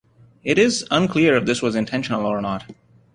It is unclear if this was intentional or not.